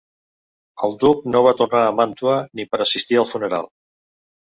El duc no va tornar a Màntua ni per assistir al funeral.